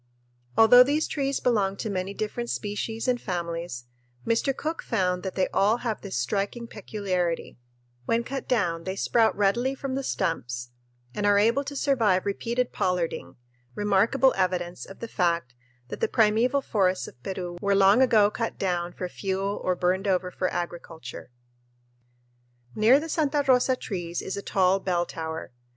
Although these trees belong to many different species and families, Mr. Cook found that they all have this striking peculiarity when cut down they sprout readily from the stumps and are able to survive repeated pollarding; remarkable evidence of the fact that the primeval forests of Peru were long ago cut down for fuel or burned over for agriculture. Near the Santa Rosa trees is a tall bell tower.